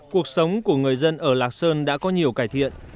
cuộc sống của người dân ở lạc sơn đã có nhiều cải thiện